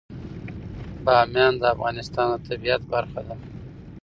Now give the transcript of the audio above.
بامیان د افغانستان د طبیعت برخه ده.